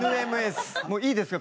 もういいですか？